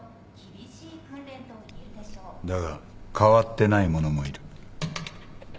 だが変わってない者もいる。